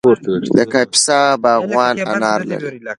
د کاپیسا باغونه انار لري.